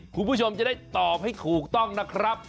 คุณผู้ชมจะได้ตอบให้ถูกต้องนะครับ